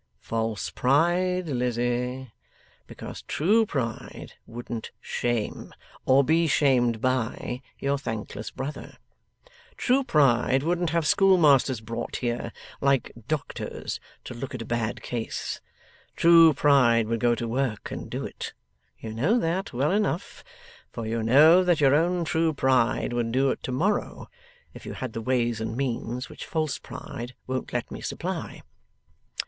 False pride, Lizzie. Because true pride wouldn't shame, or be shamed by, your thankless brother. True pride wouldn't have schoolmasters brought here, like doctors, to look at a bad case. True pride would go to work and do it. You know that, well enough, for you know that your own true pride would do it to morrow, if you had the ways and means which false pride won't let me supply.